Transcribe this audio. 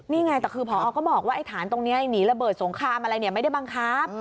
นี่ไงแต่คือพอก็บอกว่าไอ้ฐานตรงนี้หนีระเบิดสงครามอะไรเนี่ยไม่ได้บังคับ